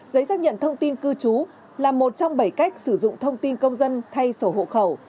giấy xác nhận thông tin cư trú là một trong bảy cách sử dụng thông tin công dân thay sổ hộ khẩu